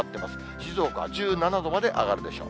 静岡は１７度まで上がるでしょう。